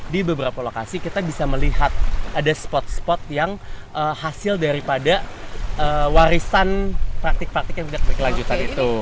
di beberapa lokasi kita bisa melihat ada spot spot yang hasil daripada warisan praktek praktek yang sudah terlanjur tadi itu